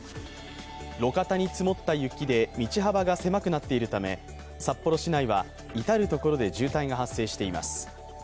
路肩に積もった雪で道幅が狭くなっているため、札幌市内は至る所で渋滞が発生しています。